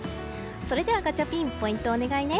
それではガチャピンポイントをお願いね。